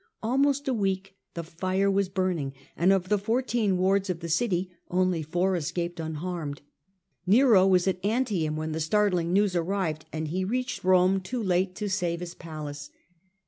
Al most a week the fire was burning, and of the four teen wards of the city only four escaped un harmed. Nero was at Antium when the startling news arrived, and he reached Rome too late to save his A.D. 54 68. Nero. 109 palace.